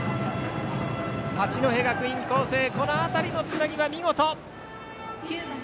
八戸学院光星この辺りのつなぎは見事！